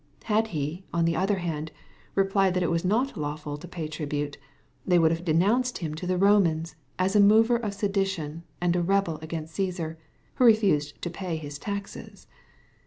— Had He, on the other hand, replied that it was not lav^vl to pay tribute, they would have denounced Him to the Bomans as a mover of sedition, and a rebel against Caesar, who refused to pay his taxes.